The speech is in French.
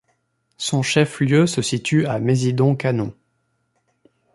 Son chef-lieu se situe à Mézidon-Canon.